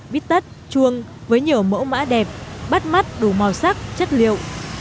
vít tất chuông với nhiều mẫu mã đẹp bắt mắt đủ màu sắc chất liệu